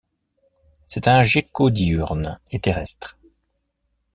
C'est un gecko diurne et terrestre.